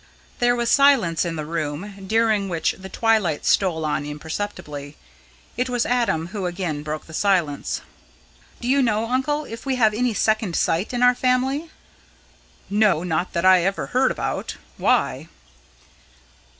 There was silence in the room, during which the twilight stole on imperceptibly. It was Adam who again broke the silence. "Do you know, uncle, if we have any second sight in our family?" "No, not that I ever heard about. Why?"